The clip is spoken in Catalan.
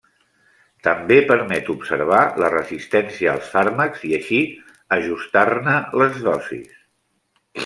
També permet observar la resistència als fàrmacs i així ajustar-ne les dosis.